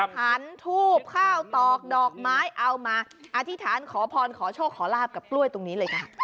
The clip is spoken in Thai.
หันทูบข้าวตอกดอกไม้เอามาอธิษฐานขอพรขอโชคขอลาบกับกล้วยตรงนี้เลยค่ะ